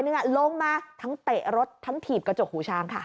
เห็นไหมมึงเอาของเก็บมึงเอาของเก็บมึงเอาของเก็บ